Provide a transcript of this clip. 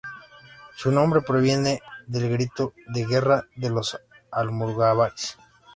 Su nombre proviene del grito de guerra de los almogávares.